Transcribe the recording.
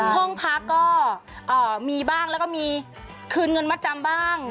ห้องพักก็มีบ้างแล้วก็มีคืนเงินมัดจำบ้าง